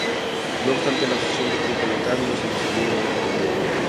No obstante, la Asociación Republicana Militar no se disolvió inmediatamente.